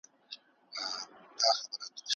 ډېر دي له لمني او ګرېوانه اور اخیستی دی